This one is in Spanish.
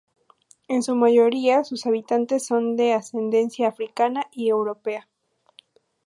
En su mayoría sus habitantes son de ascendencia africana y europea.